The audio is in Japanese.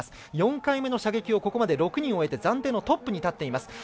４回目の射撃をここまで６人終えて暫定のトップに立っています。